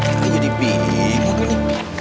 ini jadi bingung ini